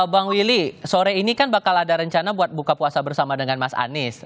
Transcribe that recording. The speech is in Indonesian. bang willy sore ini kan bakal ada rencana buat buka puasa bersama dengan mas anies